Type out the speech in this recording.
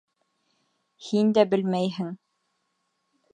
Һин дә белмәйһең.